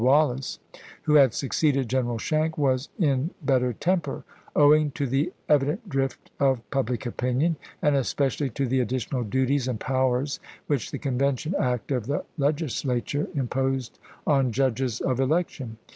Wallace, who had succeeded General Schenck, was in better temper, owing to the evident drift of pub lic opinion, and especially to the additional duties and powers which the Convention Act of the Legislature imposed on judges of election.